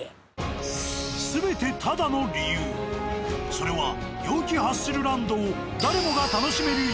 それは陽気ハッスルランドを。